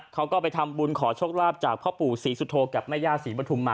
เขาก็ไปทำบุญขอโชคลาภจากพ่อปู่ศรีสุโธกับแม่ย่าศรีปฐุมมา